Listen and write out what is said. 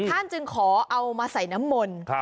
ท่านจึงขอเอามาใส่น้ำมนต์